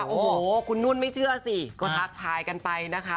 โอ้โหคุณนุ่นไม่เชื่อสิก็ทักทายกันไปนะคะ